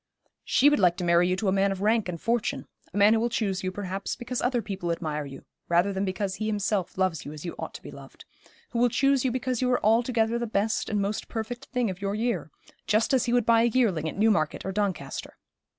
'She would like to marry you to a man of rank and fortune a man who will choose you, perhaps, because other people admire you, rather than because he himself loves you as you ought to be loved; who will choose you because you are altogether the best and most perfect thing of your year; just as he would buy a yearling at Newmarket or Doncaster.